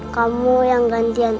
kamu yang gantian